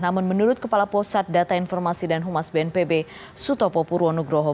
namun menurut kepala pusat data informasi dan humas bnpb sutopo purwonugroho